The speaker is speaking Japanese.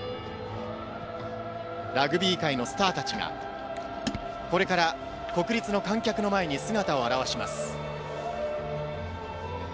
ラグビー界のスターたちが、これから国立の観客の前に姿を現します。